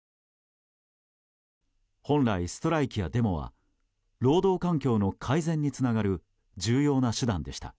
本来、ストライキやデモは労働環境の改善につながる重要な手段でした。